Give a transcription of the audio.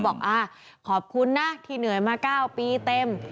ขอบคุณนะที่เหนื่อยมา๙ปีเต็ม